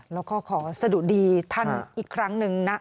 แล้วก็ขอสะดุดีท่านอีกครั้งหนึ่งนะ